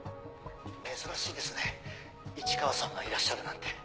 珍しいですね市川さんがいらっしゃるなんて。